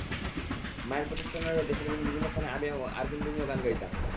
মায়ের প্রতিষ্ঠানের হয়ে দেশের বিভিন্ন স্থানে আমি এবং আরফিন রুমিও গান গাইতাম।